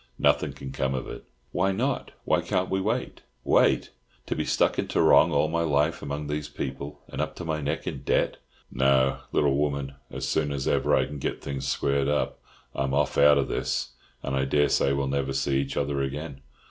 Nothing can come of it." "Why not? Why can't we wait?" "Wait! To be stuck in Tarrong all my life among these people, and up to my neck in debt! No, little woman, as soon as ever I can get things squared up, I'm off out of this, and I dare say we'll never see each other again.